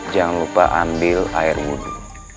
jangan lupa ambil air wudhu